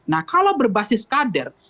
nah kalau berbasis kader